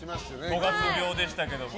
五月病でしたけどね。